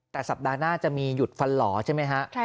แต่สัปดาห์หน้าจะมีหยุดฟันหล่อใช่ไหมฮะ